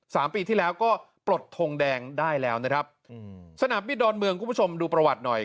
สามปีที่แล้วก็ปลดทงแดงได้แล้วนะครับอืมสนามบินดอนเมืองคุณผู้ชมดูประวัติหน่อย